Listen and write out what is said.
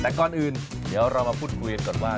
แต่ก่อนอื่นเดี๋ยวเรามาพูดคุยกันก่อนว่า